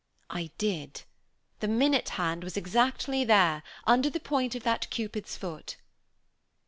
"I did; the minute hand was exactly there, under the point of that Cupid's foot."